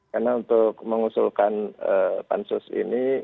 karena untuk mengusulkan pansus ini